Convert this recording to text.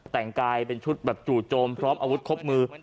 แต่งกายเป็นชุดแบบจู่โจมพร้อมอาวุธครบมือ